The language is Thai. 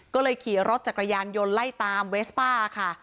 ก็เลยขี่รถจักรยานยนต์ไล่ตามเวสป้าค่ะ